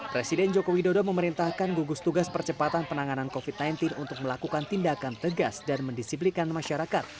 presiden joko widodo memerintahkan gugus tugas percepatan penanganan covid sembilan belas untuk melakukan tindakan tegas dan mendisiplikan masyarakat